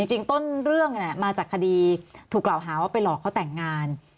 จริงต้นเรื่องมาจากคดีถูกกล่าวหาว่าไปหลอกเขาแต่งงาน